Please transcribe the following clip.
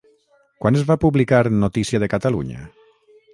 Quan es va publicar Notícia de Catalunya?